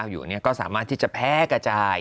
อยู่ก็สามารถที่จะแพร่กระจาย